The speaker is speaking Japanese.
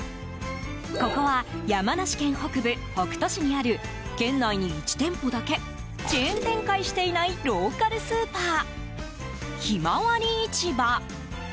ここは、山梨県北部北杜市にある県内に１店舗だけチェーン展開していないローカルスーパーひまわり市場。